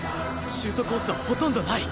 シュートコースはほとんどない